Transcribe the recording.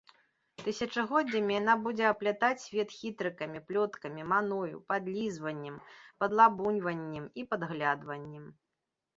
Тысячагоддзямі яна будзе аплятаць свет хітрыкамі, плёткамі, маною, падлізваннем, падлабуньваннем і падглядваннем.